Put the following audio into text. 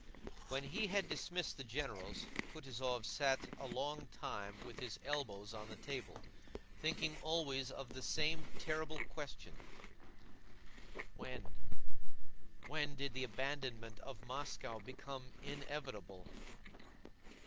When he had dismissed the generals Kutúzov sat a long time with his elbows on the table, thinking always of the same terrible question: "When, when did the abandonment of Moscow become inevitable?